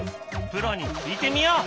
プロに聞いてみよう！